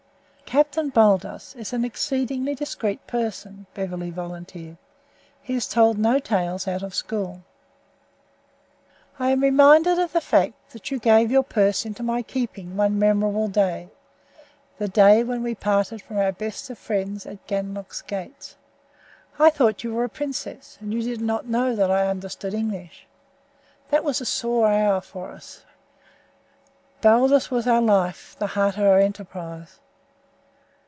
"Captain Baldos is an exceedingly discreet person," Beverly volunteered. "He has told no tales out of school." "I am reminded of the fact that you gave your purse into my keeping one memorable day the day when we parted from our best of friends at Ganlook's gates. I thought you were a princess, and you did not know that I understood English. That was a sore hour for us. Baldos was our life, the heart of our enterprise.